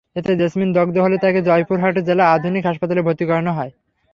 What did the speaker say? এতে জেসমিন দগ্ধ হলে তাঁকে জয়পুরহাট জেলা আধুনিক হাসপাতালে ভর্তি করানো হয়।